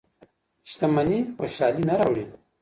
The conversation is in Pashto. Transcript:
شتمني خوشحالي نه راوړي.